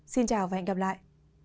xin chào và hẹn gặp lại